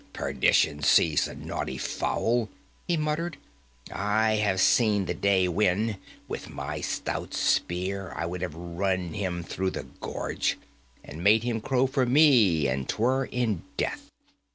"Perdition seize the naughty fowl," he muttered, "I have seen the day when, with my stout spear, I would have run him through the gorge, and made him crow for me an 'twere in death!"